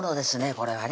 これはね